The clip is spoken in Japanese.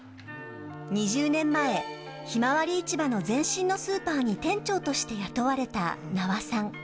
２０年前ひまわり市場の前身のスーパーに店長として雇われた那波さん。